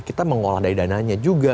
kita mengolah dari dananya juga